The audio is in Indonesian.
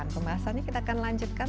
pembahasannya kita akan lanjutkan